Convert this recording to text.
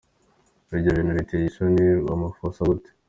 Ivyo bintu biteje isoni Ramaphosa gute?.